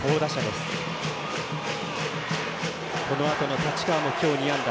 このあとの太刀川も今日２安打。